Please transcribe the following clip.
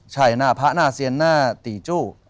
ใช่หน้าพระหน้าเซียนหน้าตีจู้